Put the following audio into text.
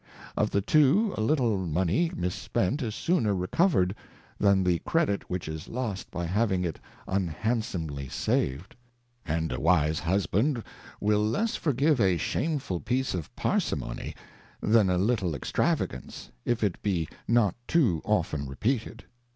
Of the_twoa_ little Money mispent is sooner recovered, than the Credit which is lost by Baving iFuhliandsomery "saip^erfx and a Wise Husband will less forgive a shameful piece of Parcimony, than a little Extravagance, if it be not too often repeated.